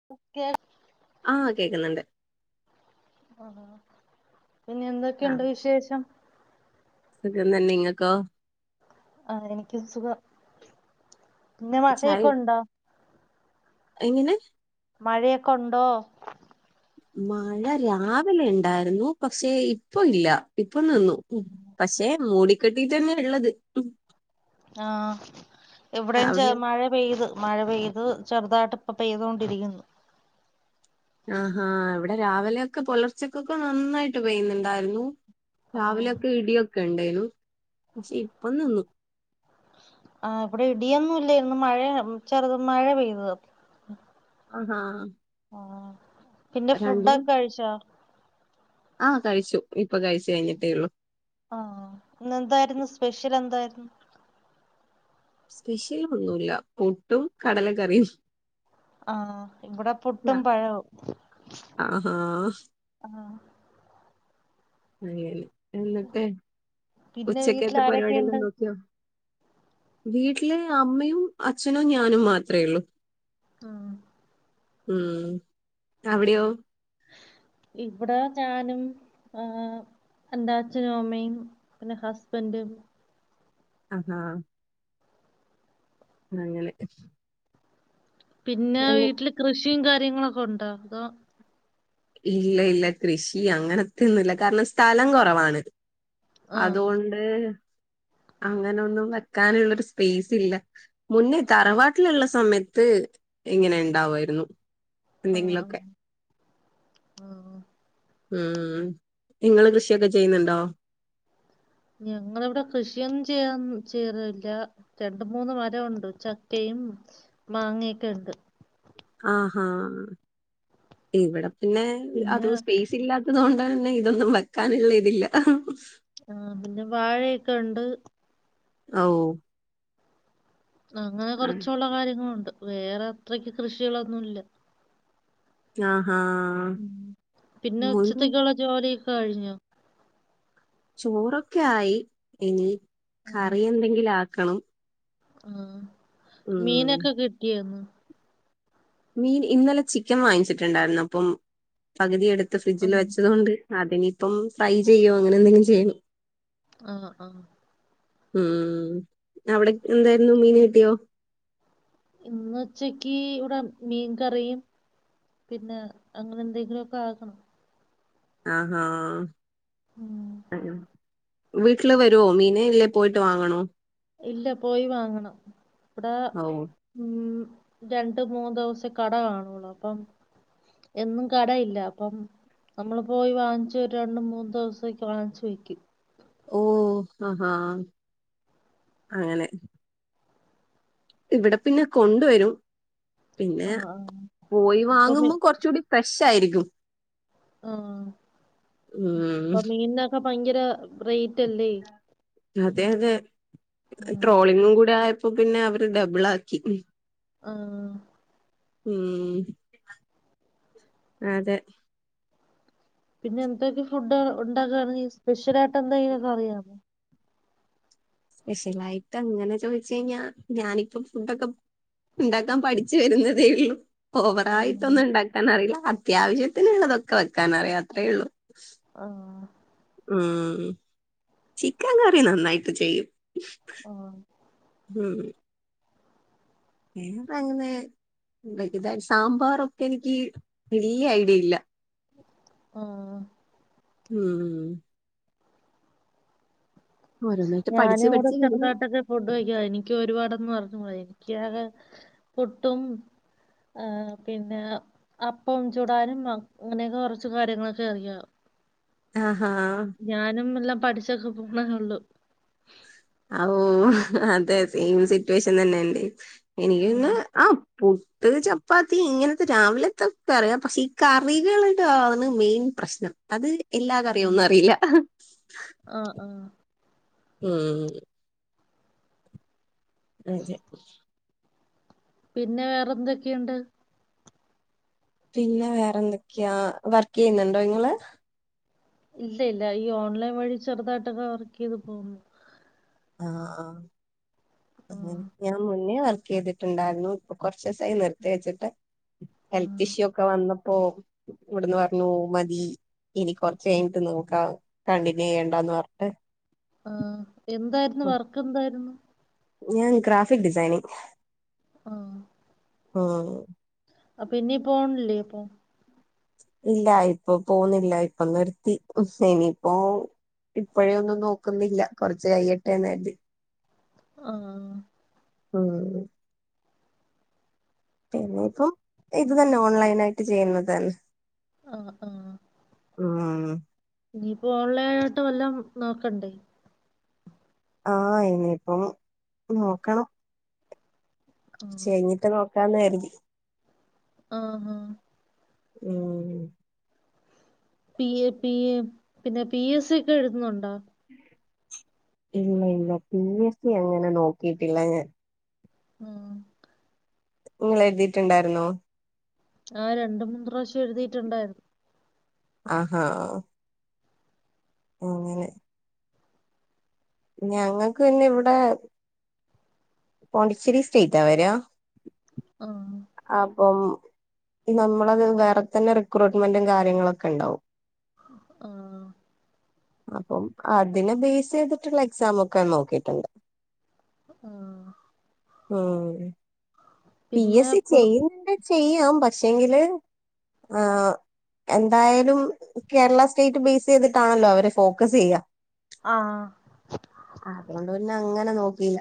[unintelligible] ആഹ് കേക്ക്ന്നുണ്ട് ആഹ് പിന്നെ ആഹ് എന്തൊക്കെയുണ്ട് വിശേഷം? സുഖം തന്നെ ഇങ്ങക്കോ? ആഹ് എനിക്കും സുഖം പിന്നെ ചായ മഴയൊക്കെ ഉണ്ടോ? എങ്ങനെ? മഴയൊക്കെ ഉണ്ടോ? മഴ രാവിലെ ഉണ്ടായിരുന്നു പക്ഷെ ഇപ്പൊ ഇല്ല ഇപ്പൊ നിന്നു. പക്ഷെ മൂടിക്കെട്ടിട്ടന്നെ ഇള്ളത്. ആഹ് ഇവിടേം ചെ അവിടെയോ മഴ പെയ്ത് മഴ പെയ്ത് ചെറുതായിട്ട് ഇപ്പ പെയ്തു കൊണ്ടിരിക്കുന്നു. ആഹാ ഇവടെ രാവിലെയൊക്കെ പുലർച്ചക്കൊക്കെ നന്നായിട്ട് പെയ്യുന്നുണ്ടായിരുന്നു. ആ രാവിലൊക്കെ ഇടിയൊക്കെ ഉണ്ടേയ്ന്നു പക്ഷെ ഇപ്പം നിന്നു. ആഹ് ഇവിടെ ഇടിയൊന്നും ഇല്ലായിരുന്നു മഴ ചെറുത് മഴ പെയ്തത്. ആഹാ ആഹ് പിന്നെ രണ്ടും ഫുഡൊക്കെ കഴിച്ചോ? ആഹ് കഴിച്ചു ഇപ്പൊ കഴിച്ചു കഴിഞ്ഞിട്ടേ ഉള്ളൂ. ആഹ് ഇന്ന് എന്തായിരുന്നു സ്പെഷ്യൽ എന്തായിരുന്നു? സ്പെഷ്യൽ ഒന്നുല്ല പുട്ടും കടലക്കറിയും. ആഹ് ഇവിടെ ആ. പുട്ടും പഴവും ആഹാ ആഹ് അങ്ങനെ എന്നിട്ട് പിന്നെ വീട്ടിൽ ഉച്ചക്കത്തെ ആരൊക്കെയുണ്ട് പരിപാടിയെല്ലാം നോക്കിയോ വീട്ടില് അമ്മയും അച്ഛനും ഞാനും മാത്രേ ഉള്ളൂ. ആഹ് ഉം അവിടെയോ ഇവടെ ഞാനും ഏഹ് എന്റെ അച്ഛനും അമ്മയും പിന്നെ ഹസ്ബൻഡും ആഹാ അങ്ങനെ പിന്നെ എന്ന്- വീട്ടില് കൃഷിയും കാര്യങ്ങളൊക്കെ ഉണ്ടോ അതോ? ഇല്ല ഇല്ല കൃഷി അങ്ങനത്തെ ഒന്നുല്ല കാരണം സ്ഥലം കൊറവാണ്. ആ അതുകൊണ്ട് അങ്ങനെയൊന്നും വെക്കാനുള്ളൊരു സ്പേസ് ഇല്ല. മുന്നേ തറവാട്ടിലുള്ള സമയത്ത് ഇങ്ങനെ ഉണ്ടാവായിരുന്നു. ആഹ് ആഹ് ആഹ് ഉം നിങ്ങള് കൃഷിയൊക്കെ ചെയ്യ്ന്നുണ്ടോ? ഞങ്ങിവിടെ കൃഷിയൊന്നും ചെയ്യാൻ ചെയ്യാറില്ല. രണ്ട് മൂന്ന് മരവുണ്ട് ചക്കയും, മാങ്ങയൊക്കെ ഉണ്ട്. ആഹാ ഇവിടെ പിന്നെ അത് പിന്നെ സ്‌പേസ് സില്ലാത്തത് കൊണ്ട് പിന്നെ ഇതൊന്നും വെക്കാനുള്ള ഇതില്ല. ആഹ് പിന്നെ വാഴയൊക്കെ ഉണ്ട്. ആഹ് ഓഹ് അങ്ങനെ ആ. കൊറച്ചുള്ള കാര്യങ്ങളുണ്ട് വേറെ അത്രയ്ക്ക് കൃഷികളൊന്നുല്ല. ആഹാ ഉം പിന്നെ മുഴുവൻ ഉച്ചത്തേക്കുള്ള ജോലിയൊക്കെ കഴിഞ്ഞോ? ചോറൊക്കെ ആയി ഇനി കറി എന്തെങ്കിലും ആക്കണം. ആഹ് ഉം മീനൊക്കെ കിട്ടിയൊ ഇന്ന്? മീൻ ഇന്നലെ ചിക്കൻ വാങ്ങിച്ചിട്ടുണ്ടായിരുന്നു അപ്പം പകുതി എടുത്ത് ആ ഫ്രിഡ്ജില് വെച്ചത് കൊണ്ട് അതിനിപ്പം ഫ്രൈ ചെയ്യോ അങ്ങനെ എന്തെലും ചെയ്യണം. ആഹ് ആഹ് ഉം അവിടെ എന്തായിരുന്നു മീൻ കിട്ടിയോ? ഇന്ന് ഉച്ചക്ക് ഇവിടെ മീൻ കറിയും പിന്നെ അങ്ങനെ എന്തെങ്കിലൊക്കെ ആക്കണം ആഹാ ഉം. [unintelligible] വീട്ടില് വരോ മീന് ഇല്ലേ പോയിട്ട് വാങ്ങണോ? ഇല്ല പോയി വാങ്ങണം ഇവടാ ഓ ഉം രണ്ട് മൂന്ന് ദിവസെ കട കാണോള്ളൂ അപ്പം എന്നും കടയില്ല അപ്പം നമ്മള് പോയി വാങ്ങിച്ച് വരുവാണേൽ രണ്ട് മൂന്ന് ദിവസേക്ക് വാങ്ങിച്ചു വയ്ക്കും ഓഹ് ആഹാ അങ്ങനെ ഇവിടെ പിന്നെ കൊണ്ടുവരും പിന്നെ ആ ആ. പോയി ഇപ്പൊ വാങ്ങുമ്പോ മീ- കൊറച്ചുടി ഫ്രഷായിരിക്കും ആഹ് ഉം ഇപ്പൊ മീനിനൊക്കെ ഭയങ്കര റേറ്റല്ലേ അതെഅതെ ഇപ്പൊ ഉം. ട്രോളിങ്ങും കൂടെ ആയപ്പോ പിന്നെ അവര് ഡബിളാക്കി ആഹ് ഉം അതെ പിന്നെ എന്തൊക്കെ ഫുഡ് ഉണ്ടാക്കാനറിയും സ്പെഷ്യലായിട്ടെന്തെങ്കിലൊക്കെ അറിയാമോ? സ്പെഷ്യലായിട്ടങ്ങനെ ചോയിച്ച് കഴിഞ്ഞാ ഞാനിപ്പം ഫുഡൊക്കെ ഇണ്ടാക്കാൻ പഠിച്ചു വരുന്നതേ ഒള്ളൂ ആ ഓവറായിട്ടൊന്നും ഇണ്ടാക്കാനറിയില്ല അത്യാവശ്യത്തിനുള്ളതൊക്കെ വെക്കാനറിയാം അത്രേ ഒള്ളൂ. ആഹ് ഉം ചിക്കൻ കറി നന്നായിട്ട് ചെയ്യും ആഹ് ഉം വേറെ അങ്ങനെ സാമ്പാർ ഉപ്പേരിക്ക് എനിക്ക് വെല്ല്യ ഐഡിയില്ല. ആഹ് ഊം ഓരോന്നായിട്ട് ഞാന് പഠിച്ച് പഠിച്ച് ഓരോരുത്തരെ വരുന്നു കഥകൾ ഫുഡ് വെക്കാൻ എനിക്കൊരുപാടൊന്നും അറിഞ്ഞൂട എനിക്കാകെ പുട്ടും ആഹ് പിന്നെ അപ്പംചൂടാനുംഅങ്ങനെയൊക്കെ കുറച്ച് കാര്യങ്ങളൊക്കെ അറിയാം ആഹ്ഹാ ഞാനും എല്ലാം പഠിച്ചൊക്കെ പോണേ ഒള്ളൂ അഹ് ഓ അതെ സെയിം സിറ്റുവേഷൻ തന്നെയ ന്റേം ഉം എനിക്ക്ന്നെ ആം പൂ ട്ട് ചപ്പാത്തി ഇങ്ങനത്തെ രാവിലത്തെ കറിയാ പക്ഷെ ഈ കറികളിലാണ് മെയിൻപ്രശ്നം. അത് എല്ലാ കറിയോന്നും അറിയില്ല. ആഹ് ആഹ് ഉം അഞ്ചേ പിന്നെ വേറെന്തൊക്കെയൊണ്ട് പിന്നെ വേറെന്തൊക്കെയാ വർക്കെയ്യുന്നുണ്ടോ ഇങ്ങള് ഇല്ലഇല്ല ഈഓൺലൈൻ വഴി ചെറുതായിട്ടൊക്കെ വർക്കെയ്ത് പോകുന്നു. ആഹ്ഹാഅങ്ങനെ ആഹ് ഞാൻ മുന്നേവർകെയ്തിട്ടുണ്ടായിരുന്നു ഇപ്പൊ കൊറച്ചുസായി നിർത്തി വെച്ചിട്ട്. ആഹ് ഹെൽത്ത്ഇഷ്യൂ ഒക്കെ വന്നപ്പോ ഇവിടുന്ന് പറഞ്ഞു മതി ഇനി കൊറച് കഴിഞ്ഞിട്ട് നോക്കാം കണ്ടിന്യൂ ചെയ്യണ്ടാന്ന് പറഞ്ഞിട്ട് ആഹ് എന്താരുന്നു ഉം. വർക്കെന്താരുന്നു. ഞാൻ ഗ്രാഫിക് ഡിസൈനിങ് ആഹ് ആഹ് അപ്പൊ ഇനി പോണില്ലേ ഇപ്പൊ ഇല്ല ഇപ്പൊ പോന്നില്ല ഇപ്പ നിർത്തി ഇനീപ്പോ ഇപ്പോഴേയൊന്നും നോക്കുന്നില്ല കൊറച്ച് കയ്യട്ടെന്ന് കരുതി ആഹ് ഉം പിന്നെയിപ്പം ഇത് തന്നെ ഓൺലൈനായിട്ട് ചെയ്യുന്നത് തന്നെ ആഹ് ആഹ് ആഹ് ഇനിയിപ്പോ ഓൺലൈനായിട്ട് വല്ലോം നോക്കണ്ടേ ആഹ് ഇനീപ്പം നോക്കണം ഉം കൊച്ച് കയ്ഞ്ഞിട്ട് നോക്കാന്ന് കരുതി ആഹ് ആഹ് ഉം പി എ പി എ പിന്നെ പി എസ് സിക്കെ എഴുതുന്നുണ്ടോ ഇല്ല ഇല്ല പി എസ് സി അങ്ങനെ നോക്കിട്ടില്ല ഞാൻ ആഹ് ആഹ് ഇങ്ങള് എഴുതീട്ടുണ്ടാരുന്നോ ആ രണ്ട് മൂന്ന് റാശ്യം എഴുതീട്ടുണ്ടാരുന്നു ആഹാ എങ്ങനെ ഞങ്ങക്ക്ന്നിവിടെ പോണ്ടിച്ചേരി സ്റ്റേറ്റാ വരാ ആഹ് അപ്പം നമ്മളത് വേറെ തന്നെ റിക്രൂട്ട്മെന്റും കാര്യങ്ങളൊക്കെണ്ടാവും ആഹ് അപ്പം അതിനെ ബേസ് ചെയ്തിട്ടുള്ള എക്സാമൊക്കെ നോക്കിട്ടുണ്ട് അഹ്ആഹ് ആണ് പി പിന്നെ എസ് സി പുറ ചെയ്യുന്നുണ്ടേ ചെയ്യാം പക്ഷെ ങ്കില് ആഹ്. എന്തായാലും കേരള സ്റ്റേറ്റ് ബേസ് ചെയ്തിട്ടാണല്ലോ അവര് ഫോക്കസെയ്യാ. ആഹ്. ആഹ് അതുകൊണ്ട് പിന്നെ അങ്ങനെ നോക്കീല്ല.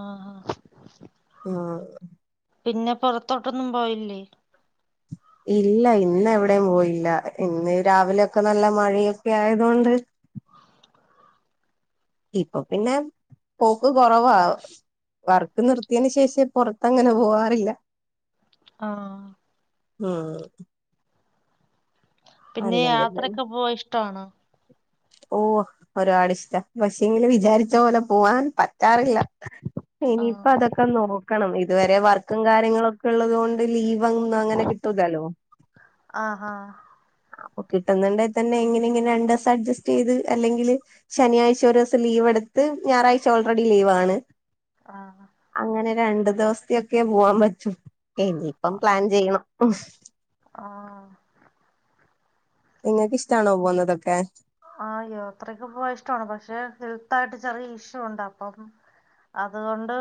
ആഹ് ആഹ്. [unintelligible] പിന്നെ പൊറത്തോട്ടൊന്നും പോവലില്ലേ? ഇല്ല ഇന്ന് എവിടെയും പോയില്ല ഇന്ന് രാവിലൊക്കെ നല്ല മഴയൊക്കെ ആയതോണ്ട്. ഇപ്പൊ പിന്നെ പോക്ക് കൊറവാ. വർക്ക് നിർത്തിയേന് ശേഷേ പൊറത്തങ്ങനെ പോവാറില്ല. ആഹ്. ഉം. പിന്നെ അല്ലെങ്കിൽ യാത്രെക്കെ പോവാൻ ഇഷ്ടവാണോ? ഓഹ്. ഒരുപാട് ഇഷ്ടാ പക്ഷെ എങ്കിലും വിചാരിച്ച പോലെ പോവാൻ പറ്റാറില്ല. ഇനിയിപ്പ ആഹ്. അതൊക്കെ നോക്കണം ഇതുവരെ വർക്കും കാര്യങ്ങളും ഒക്കെള്ളത് കൊണ്ട് ലീവന്നും അങ്ങനെ കിട്ടൂല്ലല്ലോ. ആഹാ. അപ്പൊ കിട്ടുന്നുണ്ടേ തന്നെ ഇങ്ങനെ ഇങ്ങനെ രണ്ടൂസം അഡ്ജസ് റ്റ് ചെയ്ത് അല്ലെങ്കിൽ ശനിയാഴ്ച ഒരൂസം ലീവ് എടുത്ത് ഞായറാഴ്ച ഓൾറെഡി ലീവാണ്. ആണ്. അങ്ങനെ രണ്ടു ദിവസ്ത്തൊക്കെ പോവാൻ പറ്റു. എനിപ്പം പ്ലാൻ ആഹ് ചെയ്യണം. ആഹ്. ഇങ്ങക്ക് ഇഷ്ടാണോ പോവ്ന്നതൊക്കെ? ആഹ് യാത്രൊക്കെ പോവാൻ ഇഷ്ടാണ് പക്ഷെ ഹെൽത്തായിട്ട് ചെറിയ ഇഷ്യൂ ഉണ്ട് അപ്പം അത് കൊണ്ട്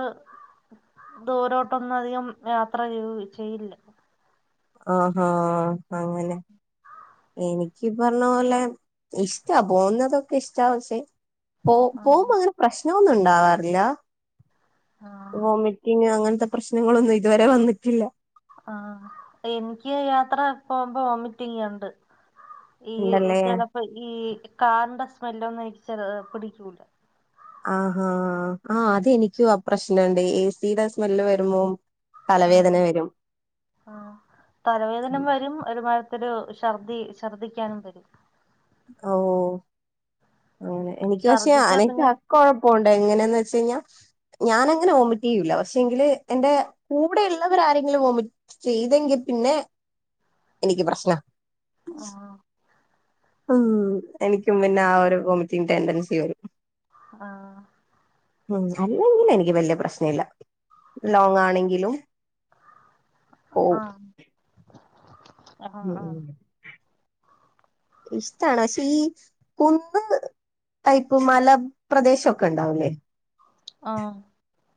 ദൂരോട്ടൊന്നധികം യാത്ര ചെയ്ത് ചെയ്യില്ല. ആഹാ അങ്ങനെ. എനിക്കി പറഞ്ഞ പോലെ ഇഷ്ടാ. പോവുന്നതൊക്കെ ഇഷ്ടാ. പക്ഷേ, പോ ആഹ് പോവുമ്പങ്ങനെ പ്രശ്നൊന്നു ഉണ്ടാവാറില്ല. ആഹ് വോമി റ്റിങ് അങ്ങൻത്തെ പ്രശ്നങ്ങളൊന്നും ഇതുവരെ വന്നിട്ടില്ല. ആഹ് എനിക്ക് യാത്ര പോകുമ്പോ വോമിറ്റിങ്ങുണ്ട്. ഈ ഉണ്ടല്ലേ ചെലപ്പോ ഈ കാറിന്റെ സ്മെല്ലൊന്നെനിക്ക് ചെലത് പിടിക്കൂല്ല. ആഹാ ആഹ് അതെനിക്കു ആ പ്രശ്നണ്ട് എ സി ടെ സ്മെല്ല് വരുമ്പോം. ആഹ് ആഹ് തലവേദന വരും ഒരുമാ തൊരു ശർദി ശർദ്ദിക്ക്യാനും വരും. ഔഹ്. അങ്ങനെ എനിക്ക് പക്ഷെ ഛർദിച്ചാ അനക്ക് പിന്നെ അക്കൊഴപ്പ ഉണ്ട് എങ്ങനെന്ന് വെച്ചഴിഞ്ഞാ. ഞാനങ്ങനെ വോമിറ്റ് ചെയ്യൂല്ല പക്ഷെ ങ്കില് എന്റെ കൂടെയ്ള്ളവരാരെങ്കിലും വോമിറ്റ് ചെയ്തെങ്കി പിന്നെ എനിക്ക് പ്രശ്നാ. ആഹ്. ഉം എനിക്കും പിന്നാ ഒരു വോമിറ്റിങ് ടെന്റൻസി വരും. ആഹ്. ഉം അല്ലെങ്കിലെനിക്ക് വല്യ പ്രശ്ന ഇല്ല ലോങ്ങാണെങ്കിലും. ആഹ്. ആഹ് ഉം ആഹ് ഉം. [inaudible] ഇഷ്ടാണ് പക്ഷെ ഈ കുന്ന്- ടൈപ്പ് മല പ്രദേശൊക്കെ ഒണ്ടാവുലേ ആഹ്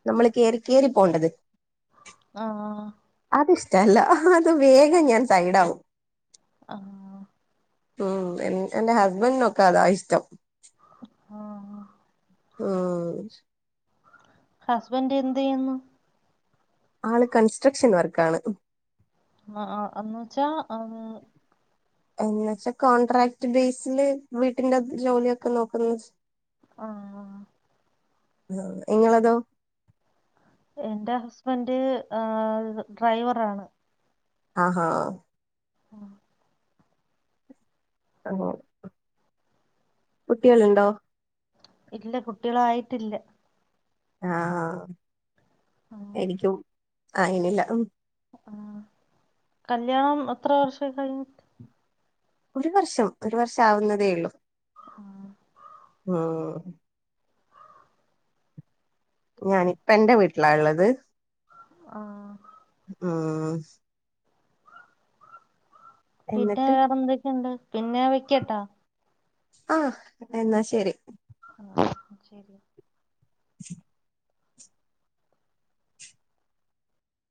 നമ്മള് കേറിക്കേറി പോണ്ടത് ആഹ് ആഹ് അതിഷ്ടവല്ല അത് വേഗം ഞാൻ സൈടാവും ആഹ് ഉം എൻ എന്റെ ഹസ്ബൻഡിനൊക്കെ അതാ ഇഷ്ട്ടം ആഹ് ആഹ് ഉം ഹസ്ബന്റ് എന്ത് ചെയ്യുന്നു ആള് കൺസ്ട്രക്ഷൻ വർക്കാണ്- ആഹ് ആഹ് അന്നു വെച്ചാ ആഹ് എന്നു വെച്ചാ കോൺട്രാക്ട് ബേസില് വീട്ടിന്റെ ജോലിയൊക്കെ നോക്കുന്നത്- ആഹ് ആഹ് നിങ്ങളിതോ എന്റെ ഹസ്ബൻഡ് ആ ഡ്രൈവറാണ് ആഹാ ഉം ആഹാ കുട്ടികള് ഉണ്ടോ ഇല്ല കുട്ടികളായിട്ടില്ല ആഹാ ആഹ് എനിക്കും ആയിനില്ല ആഹ് കല്യാണം എത്ര വർഷായി കഴിഞ്ട്ട് - ഒരു വർഷം ഒരു വർഷാവുന്നതേയുള്ളൂ ആഹ് ആഹ് ഞാന് ഇപ്പൊ എന്റെ വീട്ടിലാ ഉള്ളത് ആഹ് ആഹ് പിന്നെ എന്നിട്ട് വേറെ എന്തൊക്കെയുണ്ട് പിന്നെ വെക്കട്ടാ ആഹ് എന്നാ ശരി ആ ശരി ശ [unintelligible]